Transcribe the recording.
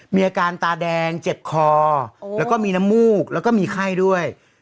มีอาการตาแดงเจ็บคอแล้วก็มีน้ำมูกแล้วก็มีไข้ด้วย